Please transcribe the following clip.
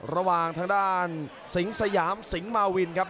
ระหว่างทางด้านสิงสยามสิงหมาวินครับ